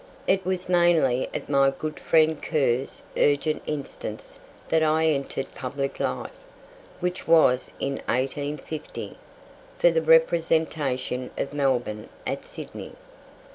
It was mainly at my good friend Kerr's urgent instance that I entered public life, which was in 1850, for the representation of Melbourne at Sydney.